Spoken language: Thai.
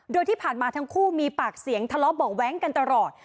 โดยที่ผ่านมาทั้งคู่มีปากเสียงทะเลาะเบาะแว้งกันตลอด